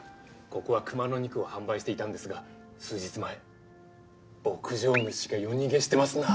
ここは熊の肉を販売していたんですが数日前牧場主が夜逃げしてますな。